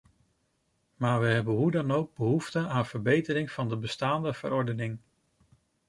Maar we hebben hoe dan ook behoefte aan verbetering van de bestaande verordening.